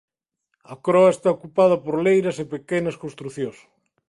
A croa está ocupada por leiras e pequenas construcións.